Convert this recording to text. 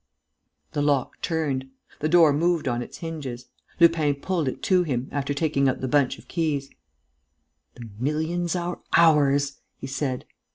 The lock turned. The door moved on its hinges. Lupin pulled it to him, after taking out the bunch of keys: "The millions are ours," he said.